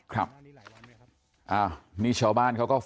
ครับ